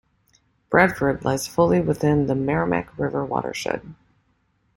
Bradford lies fully within the Merrimack River watershed.